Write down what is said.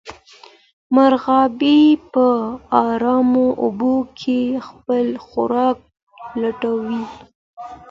مرغابۍ په ارامو اوبو کې خپل خوراک لټوي